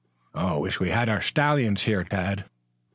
"Wish we had our stallions here, Tad."